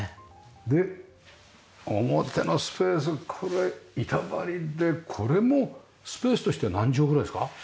で表のスペースこれ板張りでこれもスペースとしては何畳ぐらいですか？